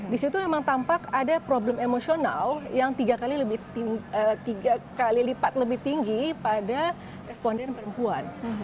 di situ memang tampak ada problem emosional yang tiga kali tiga kali lipat lebih tinggi pada responden perempuan